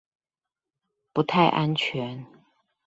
不太安全